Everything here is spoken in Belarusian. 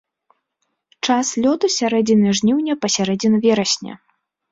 Час лёту з сярэдзіны жніўня па сярэдзіну верасня.